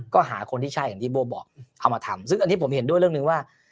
ก็หาคนที่ใช่อย่างที่โบ้บอกเอามาทำซึ่งอันนี้ผมเห็นด้วยเรื่องหนึ่งว่า